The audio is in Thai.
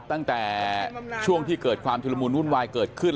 ตั้งแต่ช่วงที่เกิดความชุดละมุนวุ่นวายเกิดขึ้น